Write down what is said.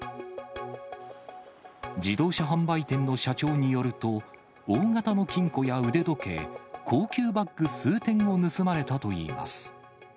自動車販売店の社長によると、大型の金庫や腕時計、高級バッグ数点を盗まれたといいます。